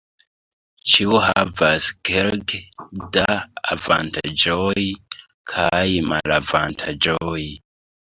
Ĉiu havas kelke da avantaĝoj kaj malavantaĝoj.